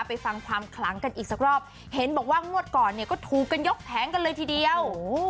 ไปฟังความคลังกันอีกสักรอบเห็นบอกว่างวดก่อนเนี่ยก็ถูกกันยกแผงกันเลยทีเดียว